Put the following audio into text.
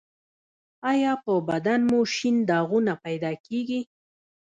ایا په بدن مو شین داغونه پیدا کیږي؟